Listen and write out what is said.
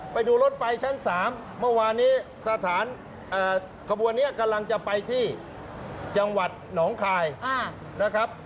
ไปดูรถไฟชั้น๓เมื่อวานนี้สถานขบวนนี้กำลังจะไปที่จังหวัดหนองคายนะครับ